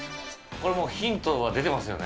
これもう、ヒントは出てます